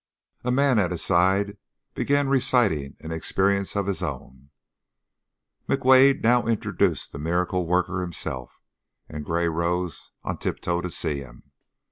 A man at his side began reciting an experience of his own. McWade now introduced the miracle worker himself, and Gray rose on tiptoe to see him.